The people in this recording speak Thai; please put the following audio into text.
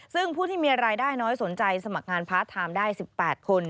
ซึ่งผู้ที่มีรายได้น้อยสนใจสมัครงานพาร์ทไทม์ได้๑๘คน